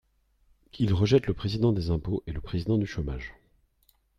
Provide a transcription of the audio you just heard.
Ils rejettent le Président des impôts et le Président du chômage.